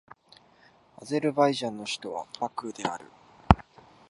アゼルバイジャンの首都はバクーである